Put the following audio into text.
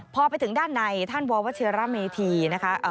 พอไปถึงด้านในท่านววัชิระเมธีนะคะ